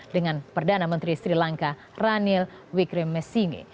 dengan perdana menteri sri lanka ranil wikrimesingi